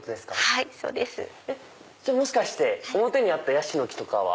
はいそうです。じゃあもしかして表にあったヤシの木とかは。